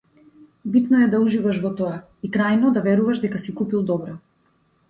Битно е да уживаш во тоа и, крајно, да веруваш дека си купил добро.